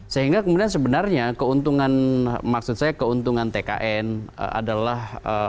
sehingga kemudian sebenarnya keuntungan maksud saya keuntungan tkn adalah